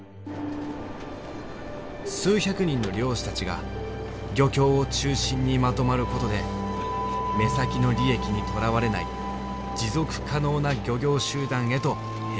数百人の漁師たちが漁協を中心にまとまることで目先の利益にとらわれない持続可能な漁業集団へと変ぼうした。